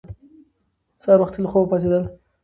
سهار وختي له خوبه پاڅېدل